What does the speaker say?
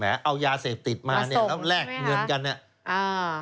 เอายาเสพติดมาเนี่ยแล้วแลกเงินกันเนี่ยอ่า